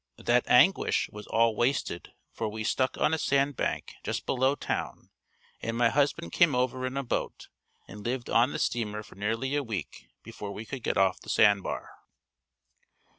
That anguish was all wasted for we stuck on a sand bank just below town and my husband came over in a boat and lived on the steamer for nearly a week before we could get off the sandbar.